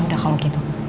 ya udah kalau gitu